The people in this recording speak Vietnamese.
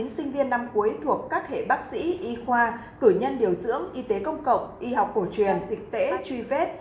ba trăm ba mươi chín sinh viên năm cuối thuộc các hệ bác sĩ y khoa cử nhân điều dưỡng y tế công cộng y học cổ truyền thực tế truy vết